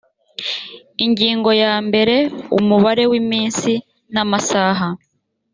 ingingo ya mbere umubare w’iminsi n’amasaha